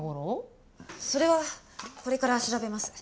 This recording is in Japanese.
それはこれから調べます。